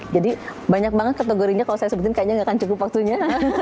jadi banyak banget kategorinya kalau saya sebutin kayaknya enggak cukup waktunya